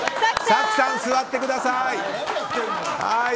早紀さん、座ってください！